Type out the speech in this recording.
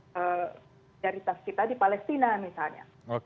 prioritas kita di palestina misalnya